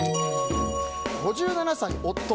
５７歳、夫。